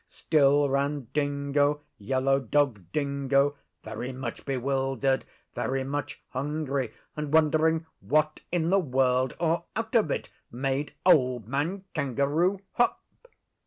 Still ran Dingo Yellow Dog Dingo very much bewildered, very much hungry, and wondering what in the world or out of it made Old Man Kangaroo hop.